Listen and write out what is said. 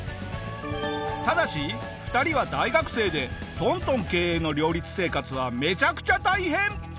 ただし２人は大学生で東東経営の両立生活はめちゃくちゃ大変！